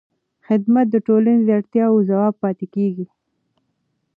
خدمت د ټولنې د اړتیاوو ځواب پاتې کېږي.